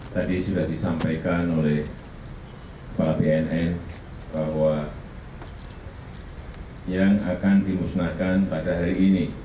tadi sudah disampaikan oleh kepala bnn bahwa yang akan dimusnahkan pada hari ini